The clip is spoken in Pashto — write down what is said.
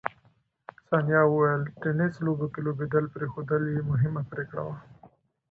ثانیه وویل، ټېنس لوبو کې لوبېدل پرېښودل یې مهمه پرېکړه وه.